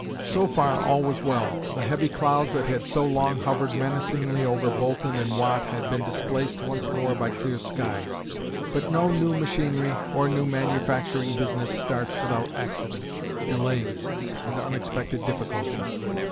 So far all was well, the heavy clouds that had so long hovered menacingly over Boulton and Watt had been displaced once more by clear skies. But no new machinery or new manufacturing business starts without accidents, delays and unexpected difficulties.